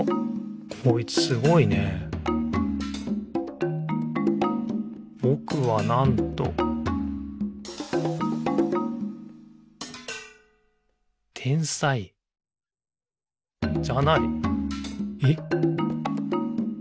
こいつすごいね「ぼくは、なんと」天才じゃない。え？